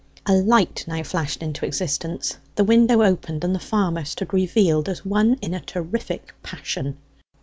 A light now flashed into existence, the window opened, and the farmer stood revealed as one in a terrific passion.